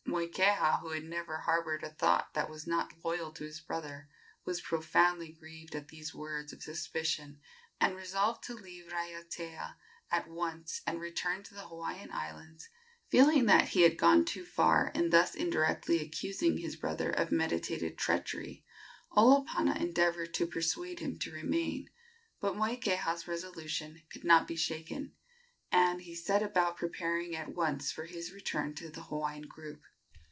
Moikeha, who had never harbored a thought that was not loyal to his brother, was profoundly grieved at these words of suspicion, and resolved to leave Raiatea at once and return to the Hawaiian Islands. Feeling that he had gone too far in thus indirectly accusing his brother of meditated treachery, Olopana endeavored to persuade him to remain; but Moikeha's resolution could not be shaken, and he set about preparing at once for his return to the Hawaiian group.